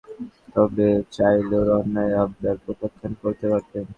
তবে, চাইলে ওর অন্যায় আবদার প্রত্যাখ্যান করতে পারতেন।